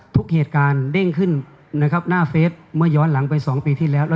ทุกเหตุการณ์เด้งขึ้นนะครับหน้าเฟสเมื่อย้อนหลังไป๒ปีที่แล้ว